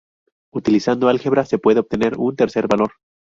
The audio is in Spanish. Utilizando álgebra se puede obtener un tercer valor.